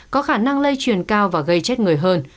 có khả năng lây truyền cao và gây chết người hơn